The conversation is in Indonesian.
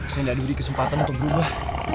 saya ga ada kesempatan untuk berubah